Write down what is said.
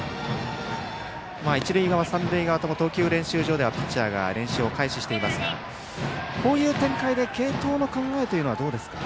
一塁側、三塁側共に投球練習場ではピッチャーが練習を開始していますがこういう展開で継投の考えはどうですか？